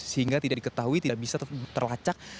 sehingga tidak diketahui tidak bisa terlacak